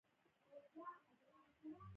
ما غوښتل هم وایلون وغږوم او هم نقاشي وکړم